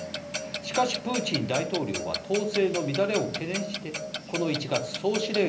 しかしプーチン大統領は統制の乱れを懸念してこの１月総司令官を更迭。